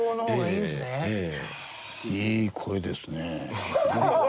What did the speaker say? いい声ですねえ。